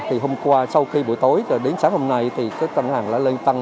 thì hôm qua sau khi buổi tối rồi đến sáng hôm nay thì các đơn hàng đã lên tăng